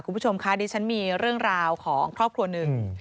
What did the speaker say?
คุณผู้ชมคะดิฉันมีเรื่องราวของครอบครัวหนึ่ง